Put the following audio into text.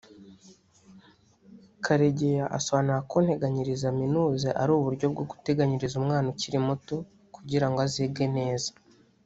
Karegeya asobanura ko Nteganyiriza Minuze ari uburyo bwo guteganyiriza umwana ukiri muto kugira ngo azige neza